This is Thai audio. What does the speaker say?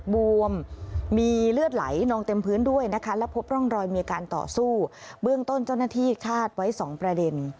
เบื้องต้นเจ้าหน้าที่อีกชาติไว้๒ประเด็น